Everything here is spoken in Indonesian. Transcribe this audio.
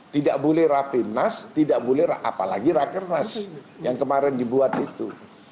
tidak boleh rapi nas tidak boleh apalagi raker nas yang kemarin dibuat itu